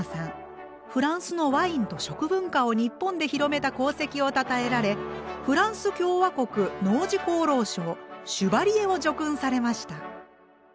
フランスのワインと食文化を日本で広めた功績をたたえられフランス共和国農事功労賞シュバリエを叙勲されました。